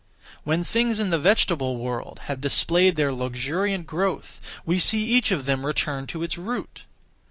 When things (in the vegetable world) have displayed their luxuriant growth, we see each of them return to its root.